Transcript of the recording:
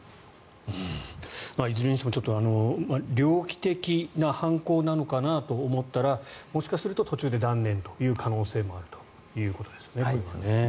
いずれにしても猟奇的な犯行なのかなと思ったらもしかすると途中で断念という可能性もあるということですね。